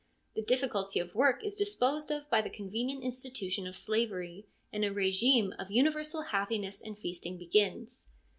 The difficulty of work is disposed of by the convenient institution of slavery, and a rigime of universal happiness and feasting begins.